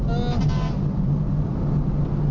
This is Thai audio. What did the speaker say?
เออ